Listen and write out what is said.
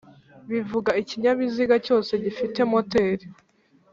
bivuga ikinyabiziga cyose gifite moteri